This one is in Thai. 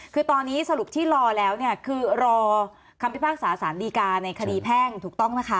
คือตอนนี้สรุปที่รอแล้วเนี่ยคือรอคำพิพากษาสารดีการในคดีแพ่งถูกต้องนะคะ